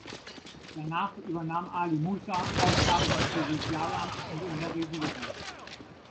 Danach übernahm Ali Moussa Aufgaben im Präsidialamt und in der Regierung.